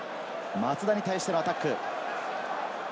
松田に対してのアタック。